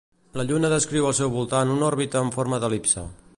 La Lluna descriu al seu voltant una òrbita en forma d'el·lipse.